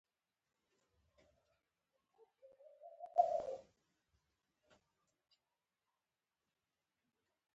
کېله د وینې دوران منظموي.